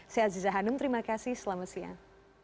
saya aziza hanum terima kasih selamat siang